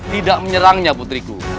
tidak menyerangnya putriku